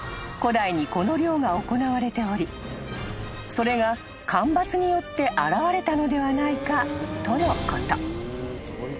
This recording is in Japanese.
［それが干ばつによって現れたのではないかとのこと］